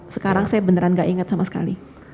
sekarang saya beneran gak ingat sama sekali